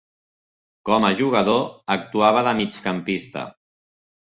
Com a jugador, actuava de migcampista.